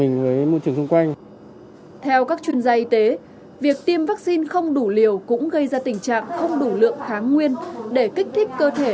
tại các trung tâm tiêm chủng việc tiêm vaccine không đủ lượng kháng nguyên để kích thích cơ thể